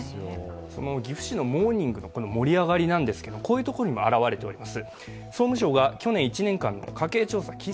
岐阜市のモーニングの盛り上がりなんですが、こういうところにも表れております。